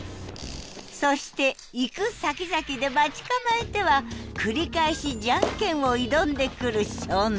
そして行くさきざきで待ち構えては繰り返し「ジャンケン」を挑んでくる少年。